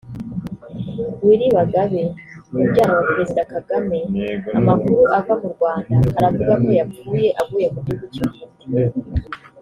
Willy Bagabe mubyara wa Perezida Kagame amakuru ava mu Rwanda aravuga ko yapfuye aguye mu gihugu cy’Ubuhinde